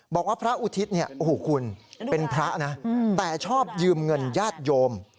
บอกว่าพระอุทิศเนี่ยโอ้โหคุณเป็นพระนะแต่ชอบยืมเงินญาติโยม